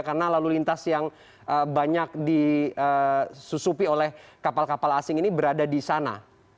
karena lalu lintas yang banyak disusupi oleh kapal kapal asing ini berada di sana